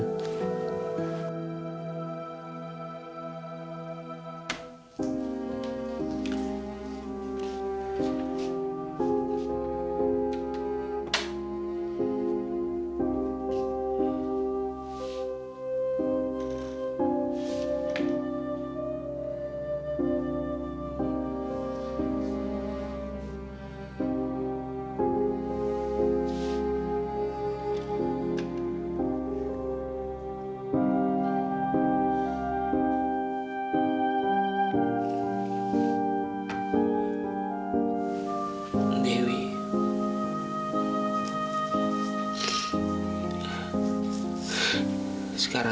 kampus lebih keras